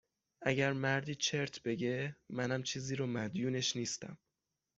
اگر مردی چرت بگه، منم چیزی رو مدیونش نیستم